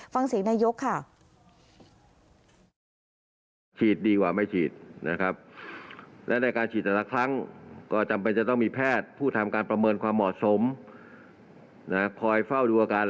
ฟังเสียงนายกค่ะ